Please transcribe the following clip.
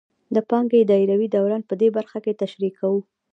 د پانګې دایروي دوران په دې برخه کې تشریح کوو